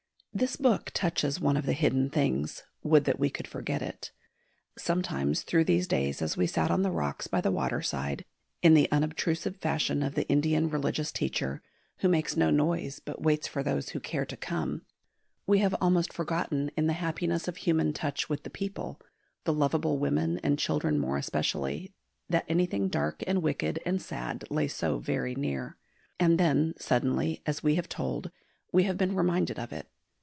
This book touches one of the hidden things; would that we could forget it! Sometimes, through these days as we sat on the rocks by the waterside, in the unobtrusive fashion of the Indian religious teacher, who makes no noise but waits for those who care to come, we have almost forgotten in the happiness of human touch with the people, the lovable women and children more especially, that anything dark and wicked and sad lay so very near. And then, suddenly as we have told, we have been reminded of it.